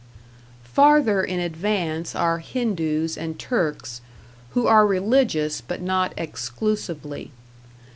Farther in advance are Hindoos and Turks, who are religious, but not exclusively.